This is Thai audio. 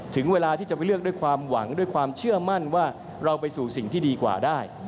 ถึงเวลาที่จะไปเลือกด้วยความหวังด้วยความเชื่อมั่นว่าเราไปสู่สิ่งที่ดีกว่าได้